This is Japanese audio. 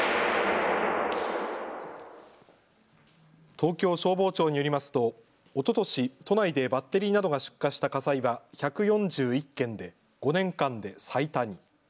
東京消防庁によりますとおととし都内でバッテリーなどが出火した火災は１４１件で５年間で最多に。